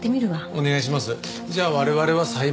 お願いします。